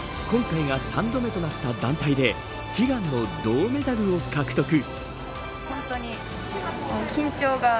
今回が３度目となった団体で悲願の銅メダルを獲得。